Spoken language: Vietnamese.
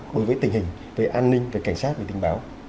đối với tình hình về an ninh về cảnh sát về tình báo